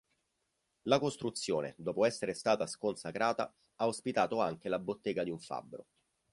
La costruzione, dopo essere stata sconsacrata, ha ospitato anche la bottega di un fabbro.